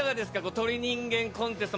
『鳥人間コンテスト』